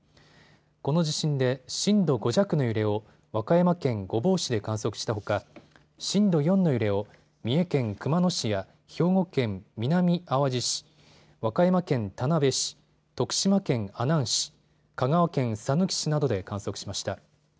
この地震で震度５弱の揺れを和歌山県御坊市で観測したほか、震度４の揺れを三重県熊野市や兵庫県南あわじ市、和歌山県田辺市、徳島県阿南市、香川県さぬき市などで観測しました。